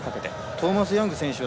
トーマス・ヤング選手